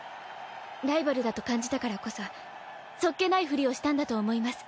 ライバルだと感じたからこそそっけないフリをしたんだと思います。